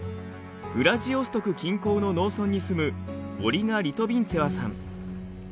ウラジオストク近郊の農村に住むオリガ・リトビンツェワさん。